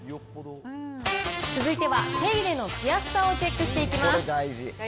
続いては手入れのしやすさをチェックしていきます。